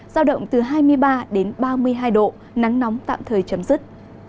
giao động từ hai mươi ba đến ba mươi hai độ nắng nóng tạm thời chấm dứt